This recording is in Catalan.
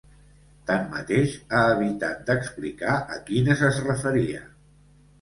Tanmateix, ha evitat d’explicar a quines es referia.